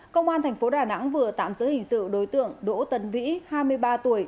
công an thành phố đà nẵng vừa tạm giữ hình sự đối tượng đỗ tấn vĩ hai mươi ba tuổi